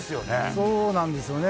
そうなんですよね。